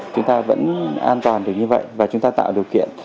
chúng ta vẫn an toàn được như vậy và chúng ta tạo điều kiện